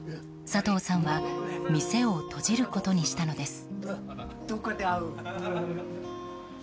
佐藤さんは店を閉じることにしたのです。